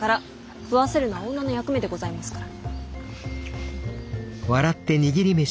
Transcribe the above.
食わせるのは女の役目でございますから。